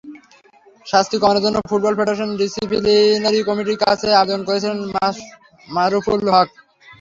শাস্তি কমানোর জন্য ফুটবল ফেডারেশনের ডিসিপ্লিনারি কমিটির কাছে আবেদন করেছিলেন মারুফুল হক।